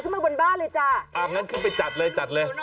มาบนบ้านเลยจ้ะอ่างั้นขึ้นไปจัดเลยจัดเลย